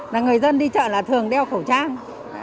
là người dân đi chợ là thường đeo khẩu trang